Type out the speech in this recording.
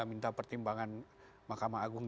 minta pertimbangan mahkamah agung